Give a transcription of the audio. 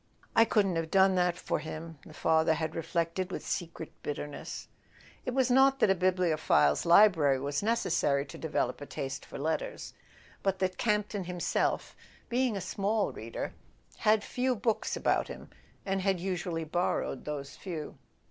"I couldn't have done that for him," the father had reflected with secret bitterness. It was not that a bibliophile's library was necessary to develop a taste for letters; but that Camp ton himself, being a small reader, had few books about him, and usually borrowed those few.